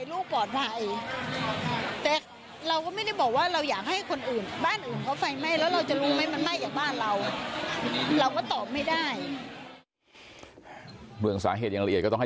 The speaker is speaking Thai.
เราก็ตอบไม่ได้เวลาสาเหตุยังละเอียดก็ต้องให้